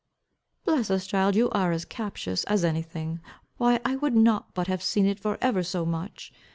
"Bless us, child, you are as captious as any thing. Why I would not but have seen it for ever so much.